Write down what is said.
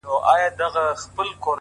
هره پرېکړه راتلونکی جوړوي.!